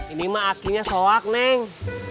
ini mah akinya sowak neng